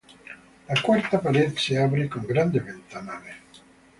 La cuarta pared se abre con grandes ventanales.